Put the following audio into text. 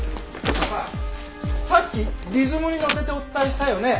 あのささっきリズムにのせてお伝えしたよね？